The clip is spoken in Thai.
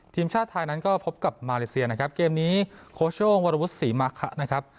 ทีมชาติไทยนั้นก็พบกับมาเลเซียนะครับเกมนี้โค้ชโย่งวรวุฒิศรีมาคะนะครับ